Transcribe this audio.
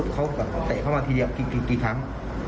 เขาแบบเตะเข้ามาทีเดียวกี่ครั้ง